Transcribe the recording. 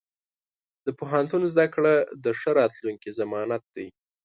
د پوهنتون زده کړه د ښه راتلونکي ضمانت دی.